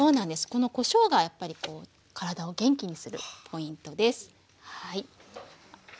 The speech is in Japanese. このこしょうがやっぱりこう体を元気にするポイントです。